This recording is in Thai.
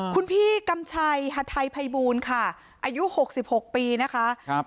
คุณพี่กำชัยหัดไทยพัยบูรณ์ค่ะอายุหกสิบหกปีนะคะครับ